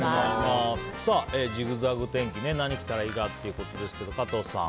ジグザグ天気ね、何着たらいいかということですけど加藤さん